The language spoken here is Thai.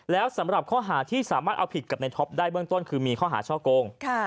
แล้วสำหรับข้อหาที่สามารถเอาผิดกับในท็อปได้เบื้องต้นคือมีข้อหาช่อโกง